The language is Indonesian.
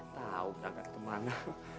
tahu berangkat ke mana